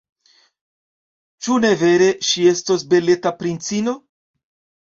Ĉu ne vere, ŝi estos beleta princino?